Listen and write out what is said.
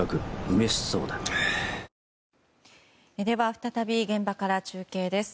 再び現場から中継です。